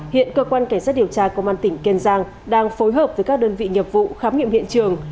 hiện cơ quan cảnh sát điều tra công an tỉnh kiên giang đang phối hợp với các đơn vị nghiệp vụ khám nghiệm hiện trường